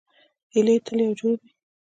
هیلۍ تل یو جوړ وي